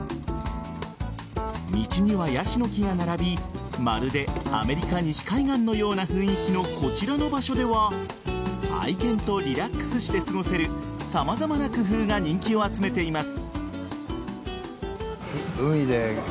道にはヤシの木が並びまるでアメリカ西海岸のような雰囲気のこちらの場所では愛犬とリラックスして過ごせる様々な工夫が人気を集めています。